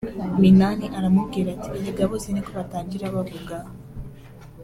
Minani aramubwira ati “ Erega bose niko batangira bavuga